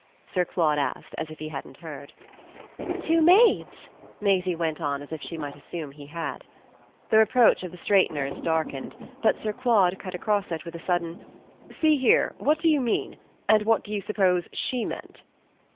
Sir Claude asked as if he hadn't heard. "Two maids?" Maisie went on as if she might assume he had. The reproach of the straighteners darkened; but Sir Claude cut across it with a sudden: "See here; what do you mean? And what do you suppose SHE meant?"